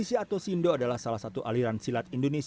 dan juga olimpiade